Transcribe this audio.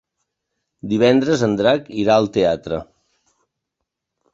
Divendres en Drac irà al teatre.